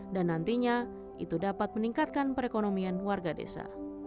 dan nantinya itu dapat meningkatkan perekonomian warga desa